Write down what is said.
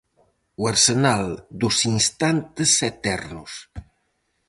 O arsenal dos instantes eternos.